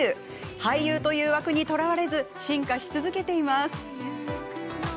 俳優という枠にとらわれず進化し続けています。